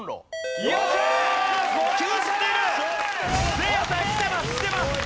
せいやさんきてますきてます！